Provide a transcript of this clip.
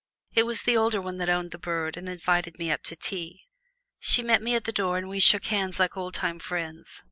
It was the older one that owned the bird, and invited me up to tea. She met me at the door, and we shook hands like old time friends.